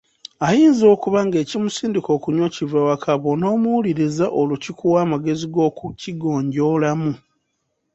Ayinza okuba ng’ekimusindika okunywa kiva waka, bw’onoomuwuliriza olwo kikuwa amagezi g’okukigonjoolamu.